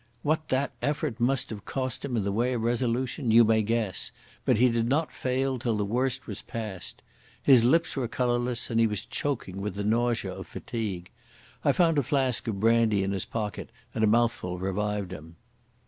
What that effort must have cost him in the way of resolution you may guess, but he did not fail till the worst was past. His lips were colourless, and he was choking with the nausea of fatigue. I found a flask of brandy in his pocket, and a mouthful revived him.